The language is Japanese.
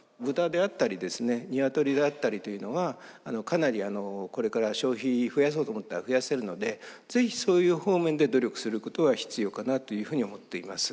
豚であったりですね鶏であったりというのはかなりこれから消費増やそうと思ったら増やせるので是非そういう方面で努力することが必要かなというふうに思っています。